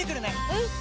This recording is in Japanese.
うん！